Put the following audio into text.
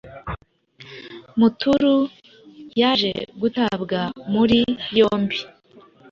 Mutulu yaje gutabwa muri yombi